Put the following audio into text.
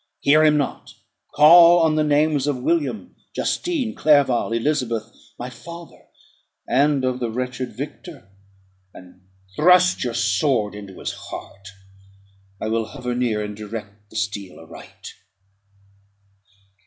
Hear him not; call on the manes of William, Justine, Clerval, Elizabeth, my father, and of the wretched Victor, and thrust your sword into his heart. I will hover near, and direct the steel aright.